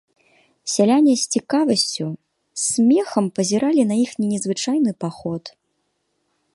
Сяляне з цікавасцю, з смехам пазіралі на іхні незвычайны паход.